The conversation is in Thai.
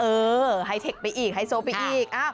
ไฮเทคไปอีกไฮโซไปอีก